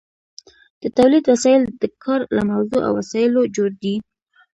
د تولید وسایل د کار له موضوع او وسایلو جوړ دي.